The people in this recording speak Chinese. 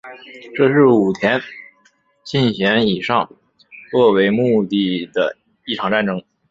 这是武田信玄以上洛为目的的一场战争。